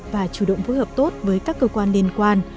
và chủ động phối hợp tốt với các cơ quan liên quan